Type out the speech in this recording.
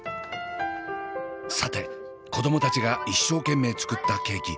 さて子供たちが一生懸命作ったケーキ。